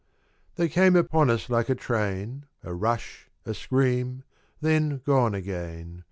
THEY came upon us like a train : A rush, a scream, — then gone again.